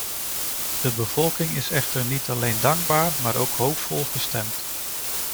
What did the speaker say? De bevolking is echter niet alleen dankbaar maar ook hoopvol gestemd.